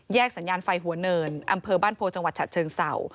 สัญญาณไฟหัวเนินอำเภอบ้านโพจังหวัดฉะเชิงเศร้า